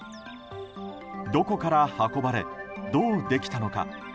どこから運ばれどうできたのか。